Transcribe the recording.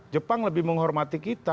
jepang lebih menghormati kita